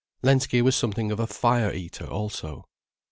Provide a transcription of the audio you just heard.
Lensky was something of a fire eater also.